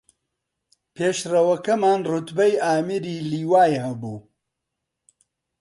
پێشڕەوەکەمان ڕوتبەی ئامیر لیوای هەبوو